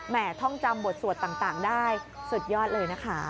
ท่องจำบทสวดต่างได้สุดยอดเลยนะคะ